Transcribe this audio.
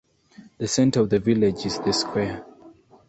The centre of the village is The Square.